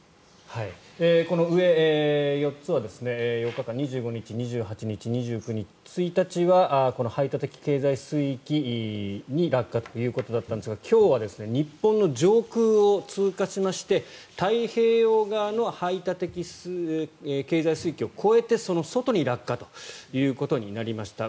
この上４つは４日間２５日、２８日、２９日１日は排他的経済水域に落下ということだったんですが今日は日本の上空を通過しまして太平洋側の排他的経済水域を越えてその外に落下ということになりました。